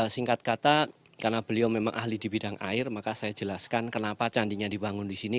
singkat kata karena beliau memang ahli di bidang air maka saya jelaskan kenapa candinya dibangun di sini